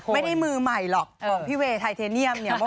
ไม่ได้มือใหม่หรอกของพี่เวย์ไทเทเนียมเนี่ย